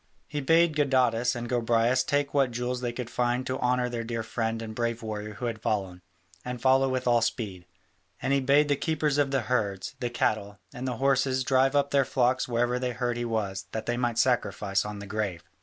He bade Gadatas and Gobryas take what jewels they could find to honour the dear friend and brave warrior who had fallen, and follow with all speed: and he bade the keepers of the herds, the cattle, and the horses drive up their flocks wherever they heard he was, that he might sacrifice on the grave.